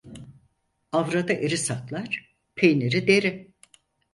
Avradı eri saklar, peyniri deri.